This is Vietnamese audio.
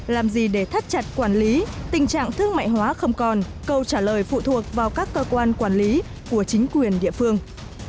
làm gì để thắt chặt quản lý tình trạng thương mại hóa không còn câu trả lời phụ thuộc vào các cơ quan quản lý của chính quyền địa phương